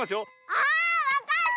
あっわかった！